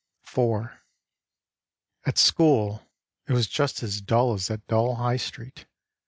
IV At school it was just as dull as that dull High Street.